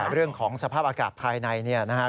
เรื่องของสภาพอากาศภายในเนี่ยนะครับ